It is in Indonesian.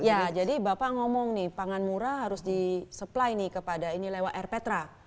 iya jadi bapak ngomong nih pangan murah harus disupply nih kepada ini lewat rptra